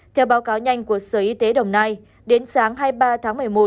theo báo cáo nhanh của sở y tế đồng nai đến sáng hai mươi ba tháng một mươi một